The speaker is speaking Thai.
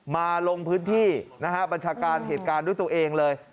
ลงพื้นที่นะฮะบัญชาการเหตุการณ์ด้วยตัวเองเลย